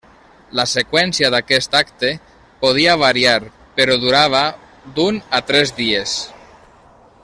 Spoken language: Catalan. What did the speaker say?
La seqüència d'aquest acte podia variar però durava d'un a tres dies.